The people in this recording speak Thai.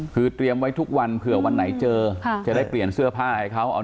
คือเตรียมไว้ทุกวันเผื่อวันไหนเจอจะได้เปลี่ยนเสื้อผ้าให้เขา